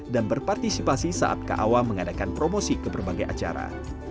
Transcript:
dan berpartisipasi saat kawa mengadakan promosi ke berbagai acara